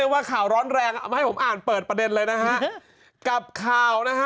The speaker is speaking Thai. นึกว่าข่าวร้อนแรงให้ผมอ่านเปิดประเด็นเลยนะฮะ